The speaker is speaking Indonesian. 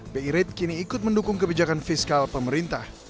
bi rate kini ikut mendukung kebijakan fiskal pemerintah